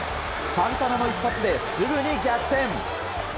サンタナの一発ですぐに逆転。